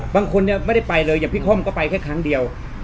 บางคนเนี่ยไม่ได้ไปเลยอย่างพี่ค่อมก็ไปแค่ครั้งเดียว